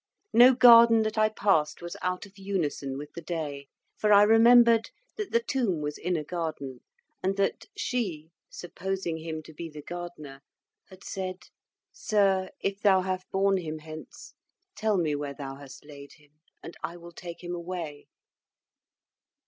No garden that I passed was out of unison with the day, for I remembered that the tomb was in a garden, and that "she, supposing him to be the gardener," had said, "Sir, if thou have borne him hence, tell me where thou hast laid him, and I will take him away."